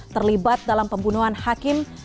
terlibat dalam pembunuhan hakim